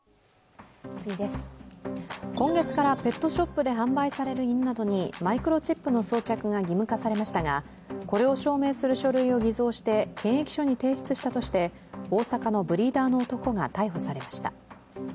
今月からペットショップで販売される犬などにマイクロチップの装着が義務化されましたが、これを証明する書類を偽造して検疫所に提出したとして大阪のブリーダーの男が逮捕されました。